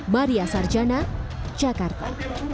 maria sarjana jakarta